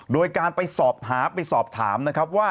โดยการไปสอบถามไปสอบถามนะครับว่า